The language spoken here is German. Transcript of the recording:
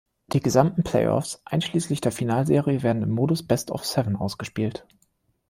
Die gesamten Play-offs einschließlich der Finalserie werden im Modus Best-of-Seven ausgespielt.